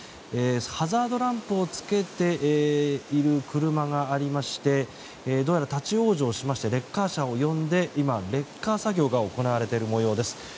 ハザードランプをつけている車がありましてどうやら立ち往生しましてレッカー車を呼んで今、レッカー作業が行われている模様です。